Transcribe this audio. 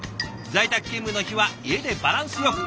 在宅勤務の日は家でバランスよく。